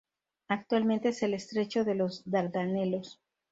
Actualmente es el estrecho de los Dardanelos.